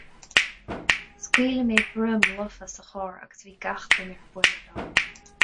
Scaoil mé broim lofa sa charr agus bhí gach duine ar buile liom.